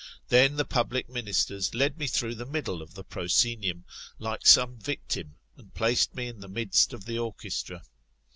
Then the public ministers led me through the middle of the proscenium, like some victim, and placed me in the midst of the orchestra.